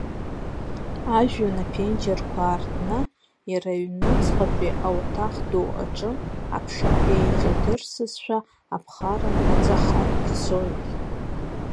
Ажәҩан аԥенџьырқәа аартны иара аҩнуҵҟатәи ауаҭах ду аҿы аԥша еиҿадырсызшәа, аԥхара ныҵаҳа ицоит.